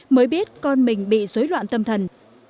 mới biết con mình bị dối loạn tâm thần